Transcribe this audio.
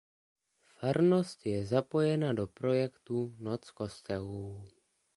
Farnost je zapojena do projektu Noc kostelů.